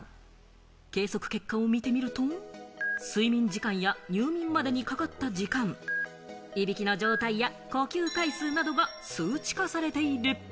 計測結果を見てみると、睡眠時間や入眠までにかかった時間、いびきの状態や呼吸回数などが数値化されている。